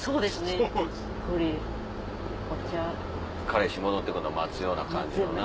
彼氏戻って来んのを待つような感じのな。